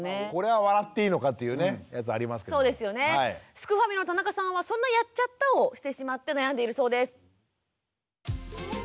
すくファミの田中さんはそんな「やっちゃった！」をしてしまって悩んでいるそうです。